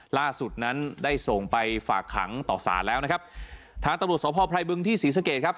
ล่าสุดนั้นได้ส่งไปฝากขังต่อสารแล้วนะครับทางตำรวจสพไพรบึงที่ศรีสเกตครับ